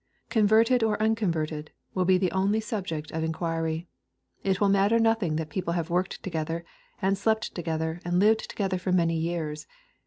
" Converted or un converted," will be the only subject of enquiry. It will matter nothing that people have worked together, and slept together, and lived together for many years.